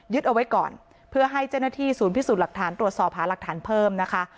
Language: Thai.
เอาไว้ก่อนเพื่อให้เจ้าหน้าที่ศูนย์พิสูจน์หลักฐานตรวจสอบหาหลักฐานเพิ่มนะคะ